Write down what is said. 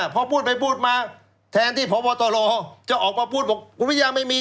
พอพูดไปพูดมาแทนที่พบตรจะออกมาพูดบอกคุณวิทยาไม่มี